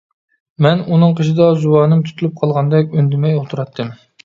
مەن ئۇنىڭ قېشىدا زۇۋانىم تۇتۇلۇپ قالغاندەك ئۈندىمەي ئولتۇراتتىم.